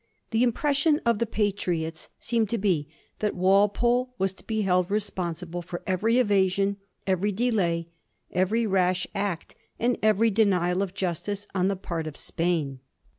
The impression of the Patriots seemed to be that Walpole was to be held responsible for every evasion, every delay, every rash act, and every denial of justice on the part of Spain.